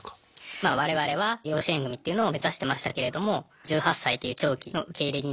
まあ我々は養子縁組っていうのを目指してましたけれども１８歳という長期の受け入れになるので。